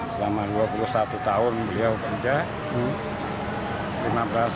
selama dua puluh satu tahun beliau kerja lima belas tahun